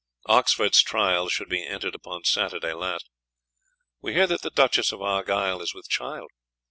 Oxford's tryals should be entered upon Saturday last. We hear that the Duchess of Argyle is wt child.